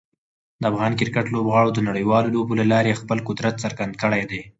د افغان کرکټ لوبغاړو د نړیوالو لوبو له لارې خپل قدرت څرګند کړی دی.